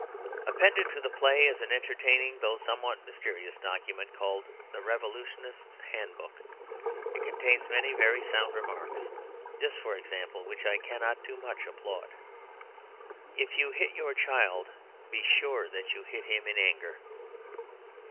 Appended to the play is an entertaining though somewhat mysterious document called "The Revolutionist's Handbook." It contains many very sound remarks; this, for example, which I cannot too much applaud: "If you hit your child, be sure that you hit him in anger."